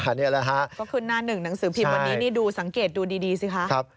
ก็คืนหน้าหนึ่งหนังสือผิววันนี้นี่ดูสังเกตดูดีสิคะ